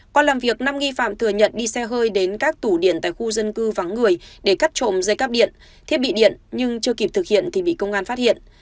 qua làm việc năm nghi phạm thừa nhận đi xe hơi đến các tủ điện tại khu dân cư vắng người để cắt trộm dây cắp điện thiết bị điện nhưng chưa kịp thực hiện thì bị công an phát hiện